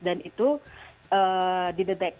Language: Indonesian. dan itu dideteksi